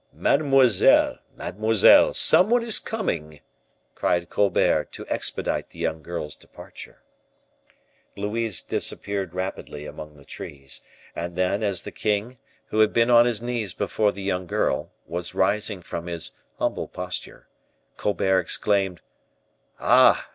"Mademoiselle, mademoiselle, some one is coming," cried Colbert, to expedite the young girl's departure. Louise disappeared rapidly among the trees; and then, as the king, who had been on his knees before the young girl, was rising from his humble posture, Colbert exclaimed, "Ah!